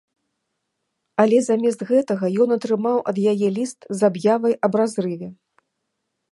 Але замест гэтага ён атрымаў ад яе ліст з аб'явай аб разрыве.